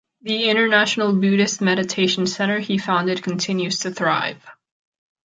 The International Buddhist Meditation Center he founded continues to thrive.